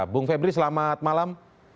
bung febri selamat malam